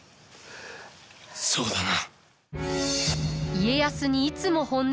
そうだな。